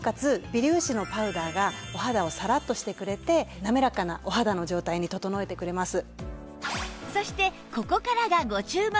微粒子のパウダーがお肌をサラッとしてくれてなめらかなお肌の状態に整えてくれます。